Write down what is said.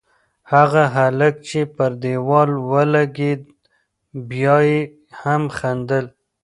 هغه هلک چې پر دېوال ولگېد، بیا یې هم خندل.